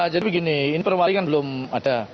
jadi begini ini perwaringan belum ada